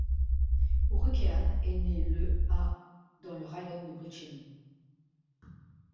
Urechean est né le à dans le raion de Briceni.